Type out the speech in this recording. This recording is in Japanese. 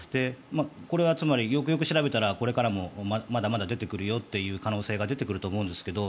これはつまり、よくよく調べたらこれからもまだまだ出てくるよという可能性が出てくると思うんですけど